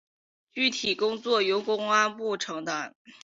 具体工作由公安部承担。